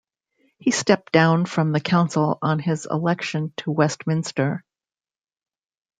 He stepped down from the council on his election to Westminster.